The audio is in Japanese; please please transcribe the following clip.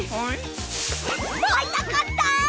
あいたかった！